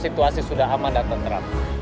itu bintang nutrients